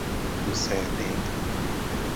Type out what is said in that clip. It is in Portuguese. sucedendo